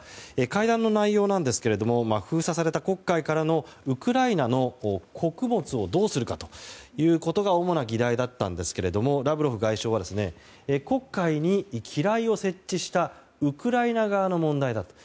会談の内容ですが封鎖された黒海からのウクライナの穀物をどうするかということが主な議題だったんですがラブロフ外相は黒海に機雷を設置したウクライナ側の問題だと。